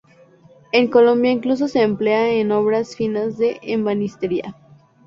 En Colombia incluso se emplea en obras finas de ebanistería.